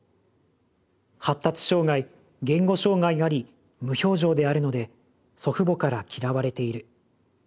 発達障害言語障害があり無表情であるので祖父母から嫌われている。